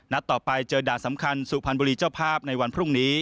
นัดต่อไปเจอด่านสำคัญสู่พันบุรีเจ้าภาพ